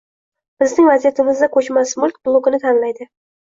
Bizning vaziyatimizda ko‘chmas mulk blokini tanlaydi